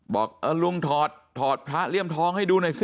บอกเออลุงถอดถอดพระเลี่ยมทองให้ดูหน่อยสิ